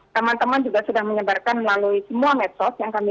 teman teman juga sudah menyebarkan melalui semua medsos yang kami